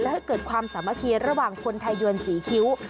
และให้เกิดความสามารถเคลียร์ระหว่างคนไทยวนสีคิ้ว